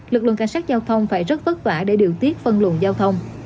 lực lượng cảnh sát giao thông phải rất vất vả để điều tiết phân luận giao thông